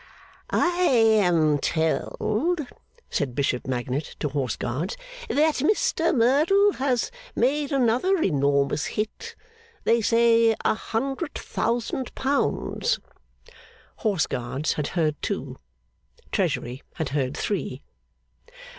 'I am told,' said Bishop magnate to Horse Guards, 'that Mr Merdle has made another enormous hit. They say a hundred thousand pounds.' Horse Guards had heard two. Treasury had heard three.